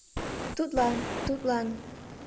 — Тудлан... тудлан...